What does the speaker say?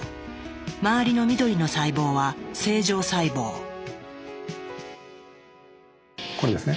周りの緑の細胞はこれですね。